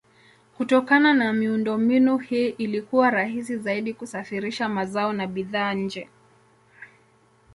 Kutokana na miundombinu hii ilikuwa rahisi zaidi kusafirisha mazao na bidhaa nje.